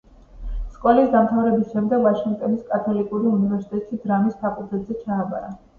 სკოლის დამთავრების შემდეგ, ვაშინგტონის კათოლიკურ უნივერსიტეტში დრამის ფაკულტეტზე ჩააბარა.